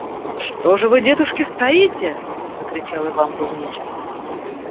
«Что ж вы, детушки, стоите? – закричал Иван Кузмич.